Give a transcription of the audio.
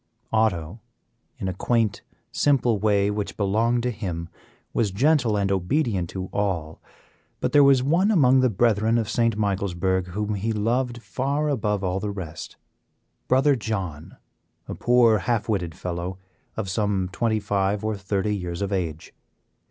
Otto, in a quaint, simple way which belonged to him, was gentle and obedient to all. But there was one among the Brethren of St. Michaelsburg whom he loved far above all the rest Brother John, a poor half witted fellow, of some twenty five or thirty years of age.